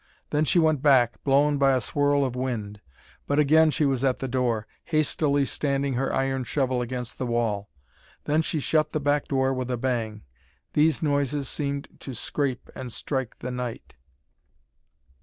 Then she went back, blown by a swirl of wind. But again she was at the door, hastily standing her iron shovel against the wall. Then she shut the back door with a bang. These noises seemed to scrape and strike the night.